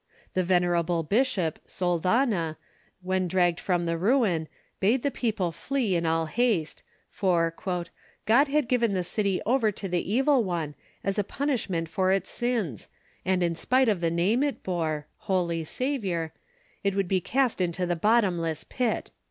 The venerable bishop, Soldana, when dragged from the ruin, bade the people flee in all haste, for "God had given the city over to the Evil One as a punishment for its sins; and in spite of the name it bore '(Holy Savior)' it would be cast into the bottomless pit."